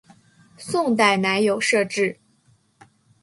宋代仍有设置。